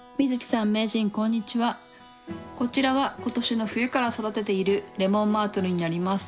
こちらは今年の冬から育てているレモンマートルになります。